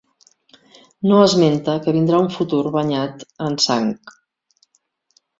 No esmenta que vindrà un futur banyat en sang.